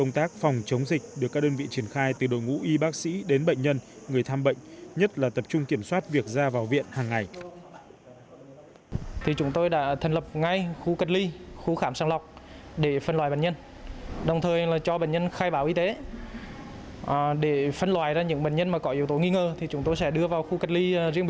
tác phòng chống dịch được các đơn vị triển khai từ đội ngũ y bác sĩ đến bệnh nhân người tham bệnh nhất là tập trung kiểm soát việc ra vào viện hàng ngày